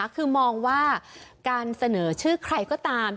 คือมองว่าการเสนอชื่อใครก็ตาม